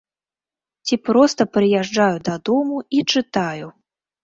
Ці проста прыязджаю дадому і чытаю.